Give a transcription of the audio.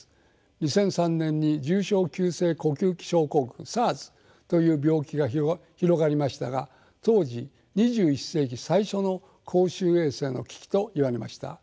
２００３年に重症急性呼吸器症候群ＳＡＲＳという病気が広がりましたが当時「２１世紀最初の公衆衛生の危機」と言われました。